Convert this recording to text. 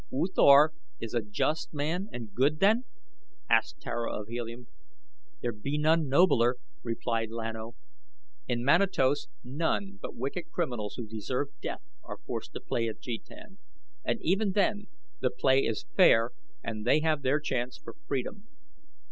"U Thor is a just man and good, then?" asked Tara of Helium. "There be none nobler," replied Lan O. "In Manatos none but wicked criminals who deserve death are forced to play at jetan, and even then the play is fair and they have their chance for freedom.